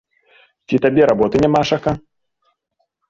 Ці табе работы нямашака?!